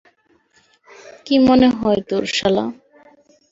কী মনে হয় তোর, শালা?